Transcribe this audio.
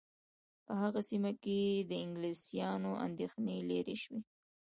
په هغه سیمه کې د انګلیسیانو اندېښنې لیرې شوې.